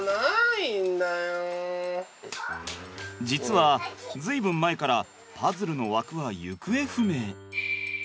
実は随分前からパズルの枠は行方不明。